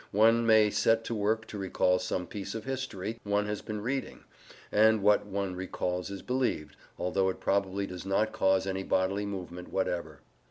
One may set to work to recall some piece of history one has been reading, and what one recalls is believed, although it probably does not cause any bodily movement whatever.